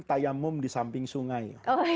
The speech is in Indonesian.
tayamum di samping sungai